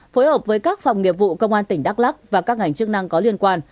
phối hợp với các phòng nghiệp vụ công an tỉnh đắk lắc và các ngành chức năng có liên quan